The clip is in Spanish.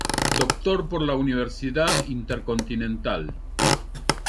Doctor por la Universidad Intercontinental.